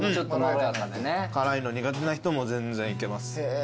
辛いの苦手な人も全然いけます。